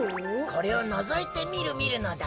これをのぞいてみるみるのだ。